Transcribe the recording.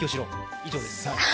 以上です。